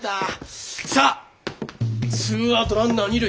さあツーアウトランナー二塁。